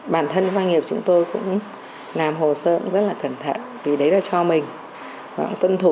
bản thân doanh nghiệp chúng tôi cũng làm hồ sơ rất là cẩn thận vì đấy là cho mình tuân thủ